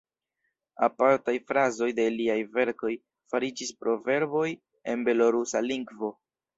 Apartaj frazoj de liaj verkoj fariĝis proverboj en belorusa lingvo.